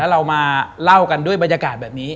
เรามาเล่ากันด้วยบรรยากาศแบบนี้